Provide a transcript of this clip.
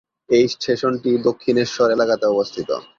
এই স্টেশনটি দক্ষিণেশ্বর এলাকাতে অবস্থিত।